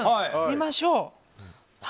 見ましょう。